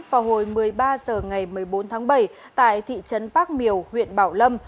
vào hồi một mươi ba h ngày một mươi bốn tháng bảy tại thị trấn bác miều huyện bảo lâm